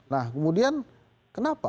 nah kemudian kenapa